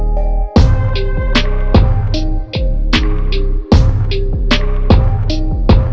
baik kita cobansinn